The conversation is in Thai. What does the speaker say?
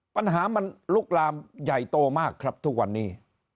ปัญหามันลุกลามใหญ่โตมากครับทุกวันนี้